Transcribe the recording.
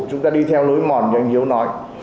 chúng ta đi theo lối mòn như anh hiếu nói